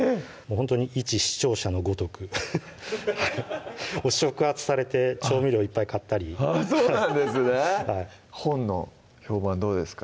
ほんとにいち視聴者のごとく触発されて調味料いっぱい買ったりそうなんですね本の評判どうですか？